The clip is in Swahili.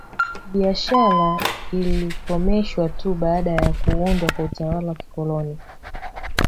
Biashara ilikomeshwa tu baada ya kuundwa kwa utawala wa kikoloni